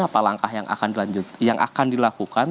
apa langkah yang akan dilakukan